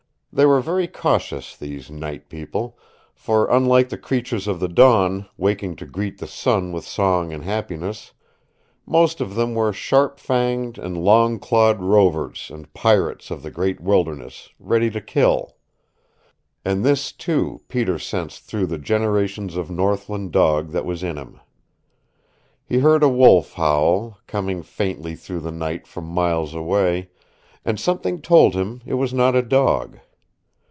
They were very cautious, these Night People, for unlike the creatures of the dawn, waking to greet the sun with song and happiness, most of them were sharp fanged and long clawed rovers and pirates of the great wilderness, ready to kill. And this, too, Peter sensed through the generations of northland dog that was in him. He heard a wolf howl, coming faintly through the night from miles away, and something told him it was not a dog.